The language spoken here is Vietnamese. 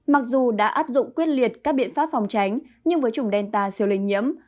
mặc dù đã áp dụng quyết liệt các biện pháp phòng tránh nhưng với chủng delta siêu lây nhiễm